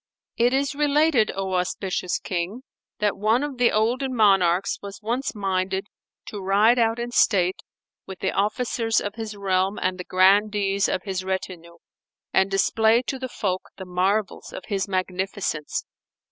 It is related, O auspicious King, that one of the olden monarchs was once minded to ride out in state with the Officers of his realm and the Grandees of his retinue and display to the folk the marvels of his magnificence.